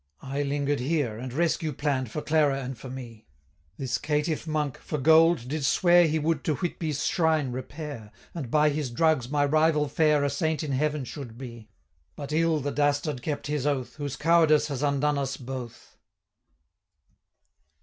I linger'd here, and rescue plann'd For Clara and for me: 550 This caitiff Monk, for gold, did swear, He would to Whitby's shrine repair, And, by his drugs, my rival fair A saint in heaven should be. But ill the dastard kept his oath, 555 Whose cowardice has undone us both.